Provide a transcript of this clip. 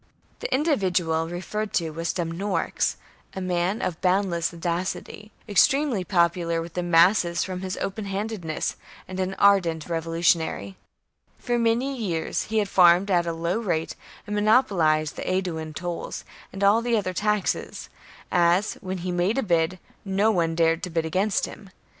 The individual referred to was Dumnorix, a man of boundless audacity, extremely popular with the masses from his open handedness, and an ardent revolutionary. For many years he had farmed at a low rate and monopolized the Aeduan tolls and all the other taxes, as, when he made a bid, no one dared to bid against him.